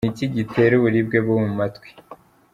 Ni iki gitera uburibwe bwo mu matwi?